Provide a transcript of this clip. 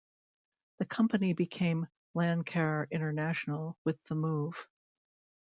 The company became Lancair International with the move.